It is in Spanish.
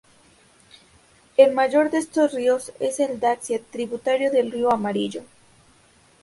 El mayor de estos ríos es el Daxia, tributario del río amarillo.